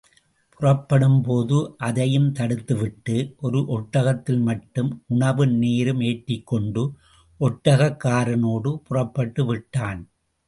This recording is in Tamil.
புறப்படும்போது, அதையும் தடுத்துவிட்டு, ஒரு ஒட்டகத்தில் மட்டும் உணவும் நீரும் ஏற்றிக் கொண்டு ஒட்டகக்காரனோடு புறப்பட்டு விட்டான்.